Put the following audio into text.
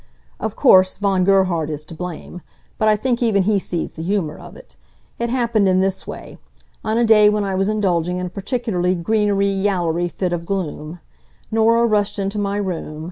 Of course Von Gerhard is to blame. But I think even he sees the humor of it. It happened in this way, on a day when I was indulging in a particularly greenery yallery fit of gloom. Norah rushed into my room.